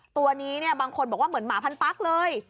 ตัวนี้บางคนบอกว่าเหมือนหมาพันปั๊กเลย